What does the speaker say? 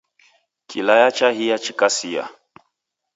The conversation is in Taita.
Kilaya chahia chikasiya